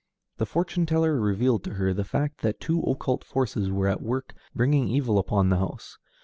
The fortune teller revealed to her the fact that two occult forces were at work bringing evil upon the house.